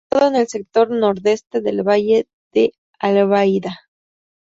Situado en el sector nordeste del Valle de Albaida.